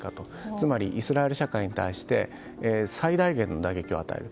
つまり、イスラエル社会に対して最大限の打撃を与える。